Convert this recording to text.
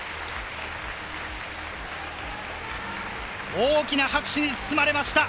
大きな拍手に包まれました。